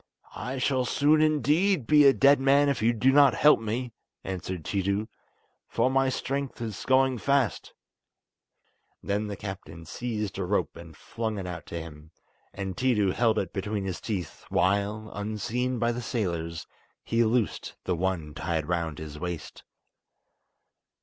"I shall soon indeed be a dead man if you do not help me," answered Tiidu, "for my strength is going fast." Then the captain seized a rope and flung it out to him, and Tiidu held it between his teeth, while, unseen by the sailors; he loosed the one tied round his waist.